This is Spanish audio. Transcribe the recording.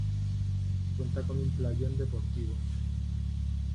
Cuenta con un playón deportivo.